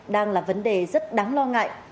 đang là vấn đề rất đáng lo ngại